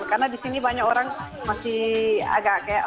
karena di sini banyak orang masih agak kayak